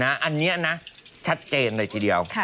อันนี้นะชัดเจนเลยทีเดียว